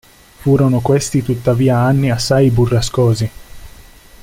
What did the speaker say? Furono questi tuttavia anni assai burrascosi.